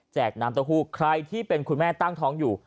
น้ำเต้าหู้ใครที่เป็นคุณแม่ตั้งท้องอยู่